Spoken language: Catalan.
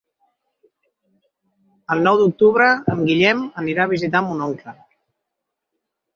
El nou d'octubre en Guillem anirà a visitar mon oncle.